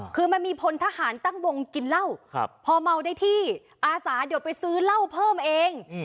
คือมันมีพลทหารตั้งวงกินเหล้าพอเมาได้ที่อาสาเดี๋ยวไปซื้อเหล้าเพิ่มเอง